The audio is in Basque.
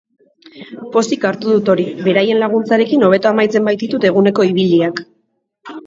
Pozik hartu dut hori, beraien laguntzarekin hobeto amaitzen baititut eguneko ibiliak.